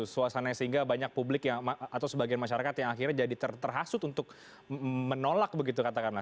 suasananya sehingga banyak publik atau sebagian masyarakat yang akhirnya jadi terhasut untuk menolak begitu katakanlah